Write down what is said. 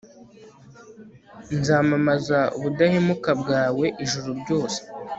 nzamamaza ubudahemuka bwawe ijoro ryose